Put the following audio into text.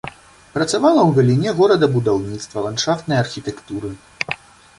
Працавала ў галіне горадабудаўніцтва, ландшафтнай архітэктуры.